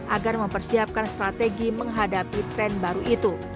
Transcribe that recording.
agar mempersiapkan strategi menghadapi tren baru itu